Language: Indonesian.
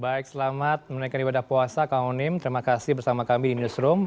baik selamat menaikkan ibadah puasa kang onim terima kasih bersama kami di newsroom